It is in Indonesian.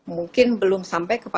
mungkin belum sampai